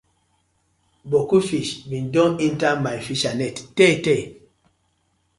Boku fish been don enter my fishernet tey tey.